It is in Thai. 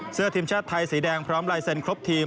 เสื้อทีมชาติไทยสีแดงพร้อมลายเซ็นครบทีม